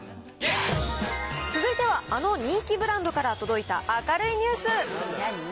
続いてはあの人気ブランドから届いた明るいニュース。